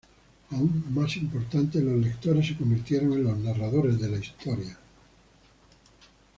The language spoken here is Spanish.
Aún más importante, los lectores se convirtieron en los narradores de la historia.